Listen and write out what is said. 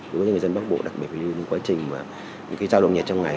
đối với người dân bắc bộ đặc biệt là những quá trình giao động nhiệt trong ngày